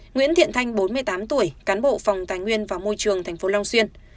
nguyễn thiện thanh bốn mươi tám tuổi cán bộ phòng tài nguyên và môi trường tp long xuyên